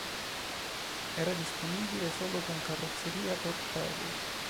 Era disponibile solo con carrozzeria torpedo.